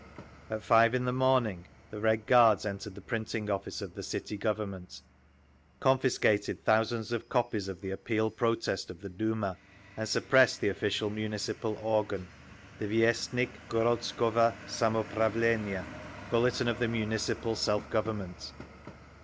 At five in the morning the Red Guards entered the printing office of the City Government, confiscated thousands of copies of the Appeal Protest of the Duma, and suppressed the official Municipal organ—the Viestnik Gorodskovo Samoupravleniya (Bulletin of the Municipal Self Government).